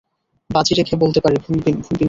বাজি রেখে বলতে পারি ভুলবি না।